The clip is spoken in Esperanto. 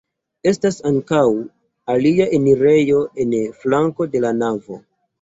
Estas ankaŭ alia enirejo en flanko de la navo.